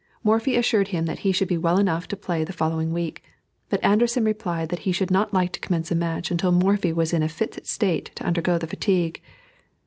Morphy assured him that he should be well enough to play the following week; but Anderssen replied that he should not like to commence a match until Morphy was in a fit state to undergo the fatigue.